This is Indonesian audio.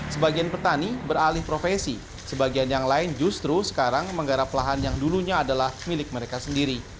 sebagian petani beralih profesi sebagian yang lain justru sekarang menggarap lahan yang dulunya adalah milik mereka sendiri